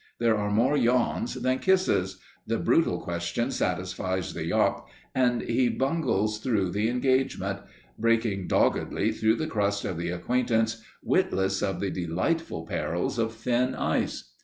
There are more yawns than kisses; the brutal question satisfies the yop, and he bungles through the engagement, breaking doggedly through the crust of the acquaintance, witless of the delightful perils of thin ice.